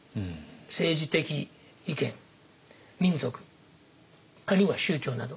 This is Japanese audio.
政治的意見民族あるいは宗教など。